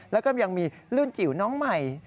แล้วก็ยังมีรุ่นจิ๋วน้องใหม่